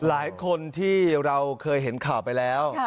หลายคนที่เราเคยเห็นข่าวไปแล้ว